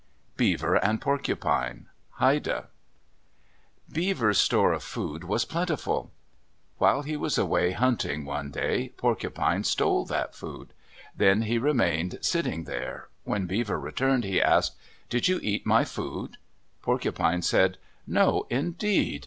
BEAVER AND PORCUPINE Haida Beaver's store of food was plentiful. While he was away hunting one day, Porcupine stole that food. Then he remained sitting there. When Beaver returned he asked, "Did you eat my food?" Porcupine said, "No, indeed.